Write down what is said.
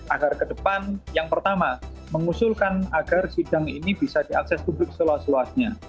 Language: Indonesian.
agar ke depan yang pertama mengusulkan agar sidang ini bisa diakses publik seluas luasnya